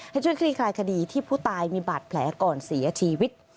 ให้ช่วยคลี่คลายคดีที่ผู้ตายมีบาดแผลก่อนเสียชีวิต